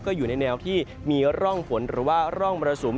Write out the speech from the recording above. ก็อยู่ในแนวที่มีร่องฝนหรือว่าร่องมรสุม